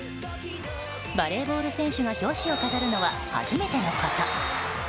バレーボール選手が表紙を飾るのは初めてのこと。